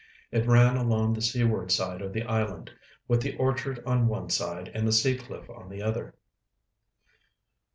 It ran along the seaward side of the island, with the orchard on one side and the sea cliff on the other.